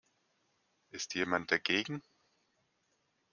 Ist jemand dagegen?